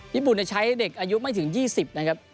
ญี่ปุ่นจะใช้เด็กอายุไม่ถึง๒๐นะครับ